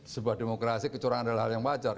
sebuah demokrasi kecurangan adalah hal yang wajar